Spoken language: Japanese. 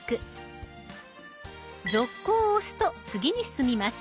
「続行」を押すと次に進みます。